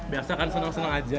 biasa kan seneng seneng aja